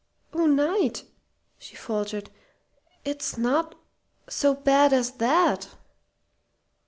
"Oh, Knight!" she faltered. "It's not so bad as that!"